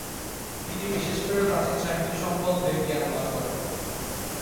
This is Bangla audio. তিনি বিশেষ করে প্রাচীন সাহিত্য সম্বন্ধে জ্ঞান লাভ করেন।